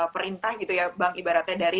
perintah gitu ya bang ibaratnya dari